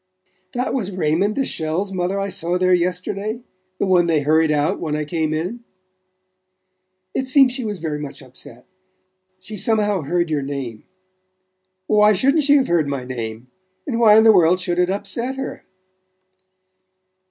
"That was Raymond de Chelles' mother I saw there yesterday? The one they hurried out when I came in?" "It seems she was very much upset. She somehow heard your name." "Why shouldn't she have heard my name? And why in the world should it upset her?"